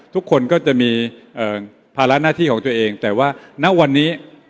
ทุกคนก็จะมีภาระหน้าที่ของตัวเองแต่ว่าณวันนี้